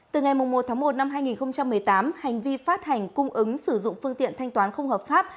từ ngày một tháng một năm hai nghìn một mươi tám hành vi phát hành cung ứng sử dụng phương tiện thanh toán không hợp pháp